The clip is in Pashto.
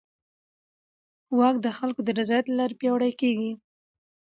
واک د خلکو د رضایت له لارې پیاوړی کېږي.